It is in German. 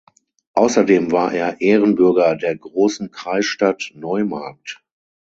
Außerdem war er Ehrenbürger der Großen Kreisstadt Neumarkt.